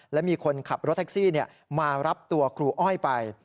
และมีคนขับรถแท็กซี่มารับตัวครูอ้อยไป